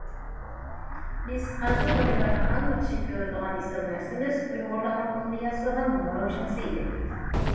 بىز خەنزۇ بالىلارنىڭ ئەڭ ياخشى كۆرىدىغان ئېسىل نەرسىمىز ئۇيغۇرلارنىڭ قولىدا ياسىغان ماروژنىسى ئىدى.